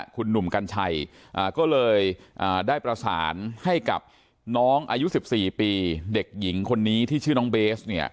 คุณหนุ่มกัญชัยก็เลยได้ประสานให้กับน้องอายุ๑๔ปีเด็กหญิงคนนี้ที่ชื่อน้องเบสเนี่ย